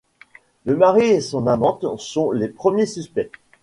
Le mari et son amante sont les premiers suspects.